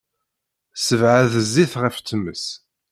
Ssebɛed zzit ɣef tmes.